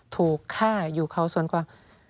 ถูกฆ่าอยู่เขาส่วนกว่า